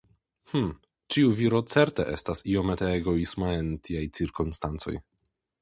Hm, ĉiu viro certe estas iomete egoisma en tiaj cirkonstancoj.